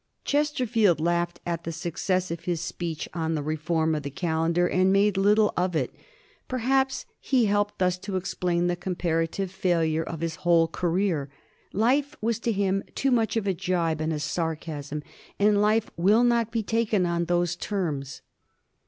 Chesterfield laughed at the success of his speech on the 276 A HISTORY OF THE FOUR GEORGES. caxxxix. reform of the calendar, and made little of it. Perhaps he helped thus to explain the comparative failure of his whole career. Life was to him too much of a gibe and a sarcasm, and life will not be taken on those terms.